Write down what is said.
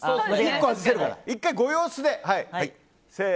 １回ご様子で。